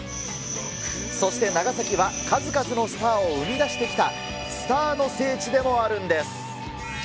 そして長崎は、数々のスターを生み出してきた、スターの聖地でもあるんです。